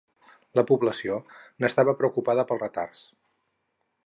La població n'estava preocupada pels retards.